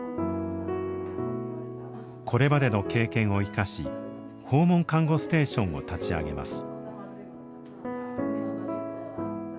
これまでの経験を生かし訪問看護ステーションを立ち上げます。